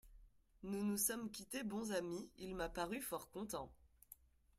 Nous nous sommes quittés bons amis, il m'a paru fort content.